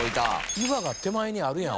岩が手前にあるやん。